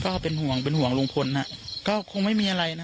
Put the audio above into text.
ก็เป็นห่วงเป็นห่วงลุงพลฮะก็คงไม่มีอะไรนะ